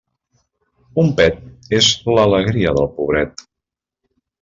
Un pet és l'alegria del pobret.